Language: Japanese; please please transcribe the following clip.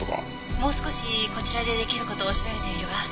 「もう少しこちらで出来る事を調べてみるわ」